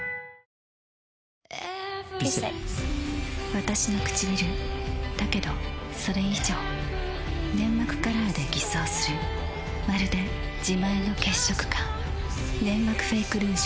わたしのくちびるだけどそれ以上粘膜カラーで偽装するまるで自前の血色感「ネンマクフェイクルージュ」